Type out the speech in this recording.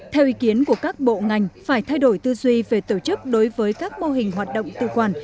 theo ý kiến của các bộ ngành phải thay đổi tư duy về tổ chức đối với các mô hình hoạt động tự quản